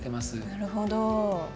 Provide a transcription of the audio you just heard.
なるほど。